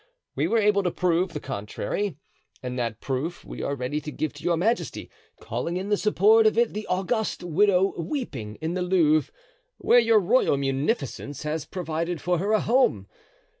We were able to prove the contrary, and that proof we are ready to give to your majesty, calling in support of it the august widow weeping in the Louvre, where your royal munificence has provided for her a home.